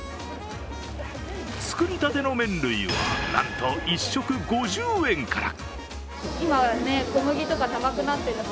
作りたての麺類は、なんと１食５０円から。